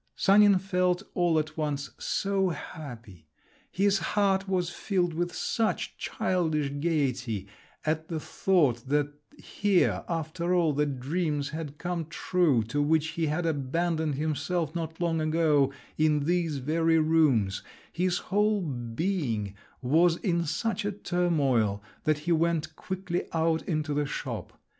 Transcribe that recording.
Sanin felt all at once so happy, his heart was filled with such childish gaiety at the thought, that here, after all, the dreams had come true to which he had abandoned himself not long ago in these very rooms, his whole being was in such a turmoil that he went quickly out into the shop.